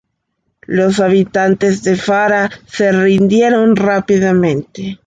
Los habitantes de Fara se rindieron rápidamente.